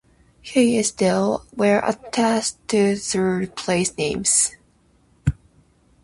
He is, though, well-attested to through place names.